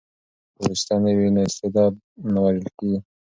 که واسطه نه وي نو استعداد نه وژل کیږي.